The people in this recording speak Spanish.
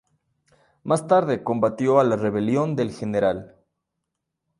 Más tarde combatió a la rebelión del Gral.